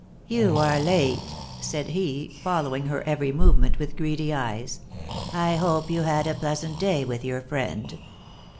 "You are late," said he, following her every movement with greedy eyes. "I hope you had a pleasant day with your friend."